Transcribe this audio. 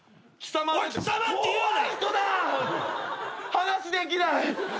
話できない！